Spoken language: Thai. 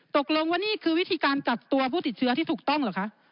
ตกลงว่านี่คือวิธีการกักตัวผู้ติดเชื้อที่ถูกต้องเหรอคะ